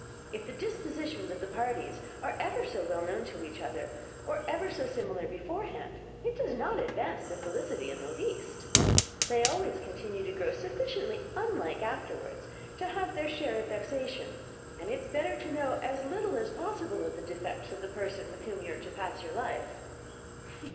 If the dispositions of the parties are ever so well known to each other, or ever so similar beforehand, it does not advance their felicity in the least. They always continue to grow sufficiently unlike afterwards to have their share of vexation; and it is better to know as little as possible of the defects of the person with whom you are to pass your life."